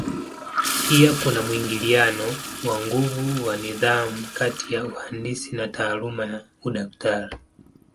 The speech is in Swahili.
Pia kuna mwingiliano wa nguvu wa nidhamu kati ya uhandisi na taaluma ya udaktari.